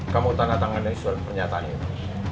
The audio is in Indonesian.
kamu tanda tangan dari surat pernyataan itu